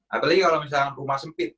apalagi kalau misalkan rumah sempit